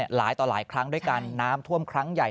หลายต่อหลายครั้งด้วยกันน้ำท่วมครั้งใหญ่